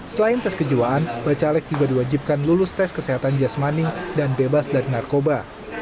selain tes kejiwaan bacalek juga diwajibkan lulus tes kesehatan jasmani dan bebas dari narkoba